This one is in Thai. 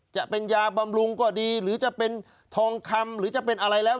จะเป็นยาบำรุงก็ดีหรือจะเป็นทองคำหรือจะเป็นอะไรแล้ว